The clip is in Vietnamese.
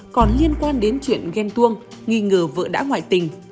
còn liên quan đến chuyện ghen tuông nghi ngờ vợ đã ngoại tình